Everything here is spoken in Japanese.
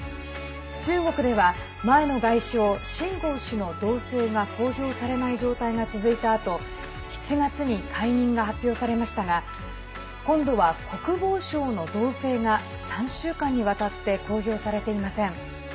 中国では前の外相、秦剛氏の動静が公表されない状態が続いたあと７月に解任が発表されましたが今度は国防相の動静が３週間にわたって公表されていません。